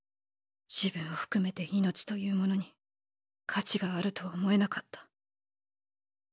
自分を含めて命というものに価値があるとは思えなかった。